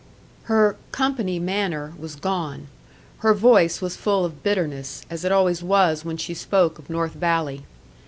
Her "company manner" was gone; her voice was full of bitterness, as it always was when she spoke of North Valley.